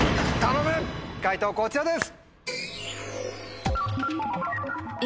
解答こちらです。